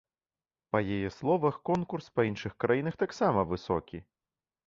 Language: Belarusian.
Па яе словах, конкурс па іншых краінах таксама высокі.